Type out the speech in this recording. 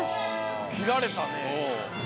きられたね。